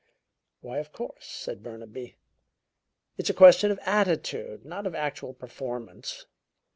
"Why, of course," said Burnaby. "It's a question of attitude, not of actual performance.